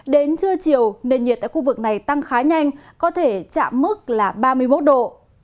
đến trưa chiều nền nhiệt tại khu vực này tăng khá nhanh có thể chạm mức là ba mươi một độ